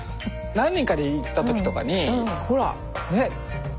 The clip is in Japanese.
何人かで行ったときとかにほらねっ！